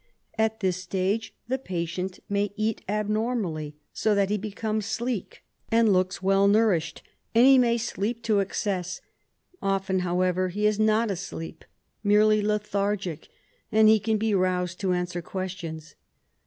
At this stage the patient may eat abnormally, so that he becomes sleek and looks 24 RESEARCH DEFENCE SOCIETY well nourished, and he may .sleep to excess; often, however, he is not asleep, merely lethargic, and he can be roused to answer questions.